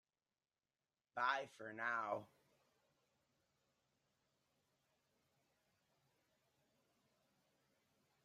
Bye for now!